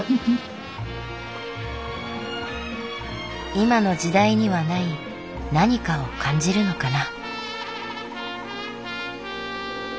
今の時代にはない何かを感じるのかな。